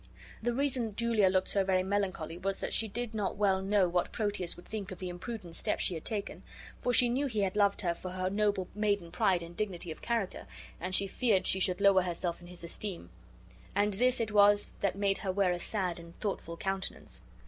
The reason Julia looked so very melancholy was, that she did not well know what Proteus would think of the imprudent step she had taken, for she knew he had loved her for her noble maiden pride and dignity of character, and she feared she should lower herself in his esteem; and this it was that made her wear a sad and thoughtful countenance.